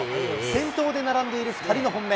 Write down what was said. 先頭で並んでいる２人の本命。